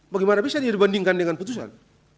bagaimana bisa dia dibandingkan dengan putusan